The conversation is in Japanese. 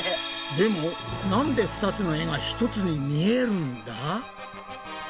でもなんで２つの絵が一つに見えるんだ？